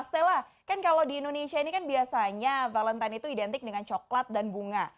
stella kan kalau di indonesia ini kan biasanya valentine itu identik dengan coklat dan bunga